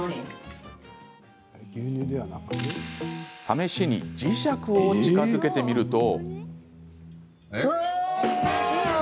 試しに磁石を近づけてみると。